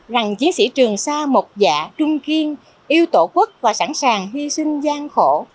rằng chiến sĩ trường xa một dạ trung kiên yêu tổ quốc và sẵn sàng hy sinh gian khổ